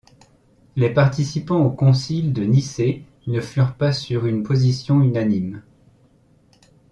Les participants au concile de Nicée ne furent pas sur une position unanime.